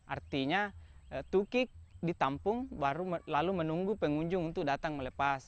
artinya tukik ditampung lalu menunggu pengunjung untuk datang melepas